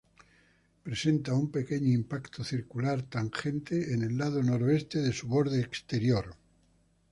Presenta un pequeño impacto circular tangente en el lado noroeste de su borde exterior.